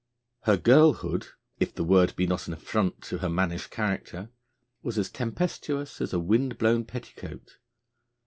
Her girlhood, if the word be not an affront to her mannish character, was as tempestuous as a wind blown petticoat.